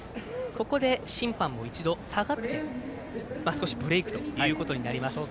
ここで、審判も一度下がってブレークということになります。